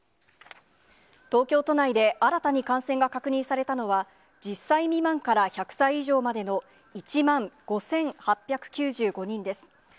東京都内で新たに感染が確認されたのは、１０歳未満から１００歳以上までの１万５８９５人です。